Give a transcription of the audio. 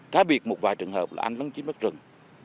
khá biệt một vài trường hợp là anh lấn chí mất rừng